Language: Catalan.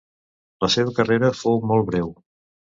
La seva carrera fou molt breu.